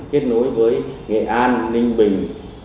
kết nối với nghệ an ninh bình